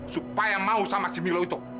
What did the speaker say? supaya mau sama si milo itu